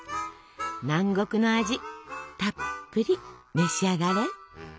南国の味たっぷり召し上がれ！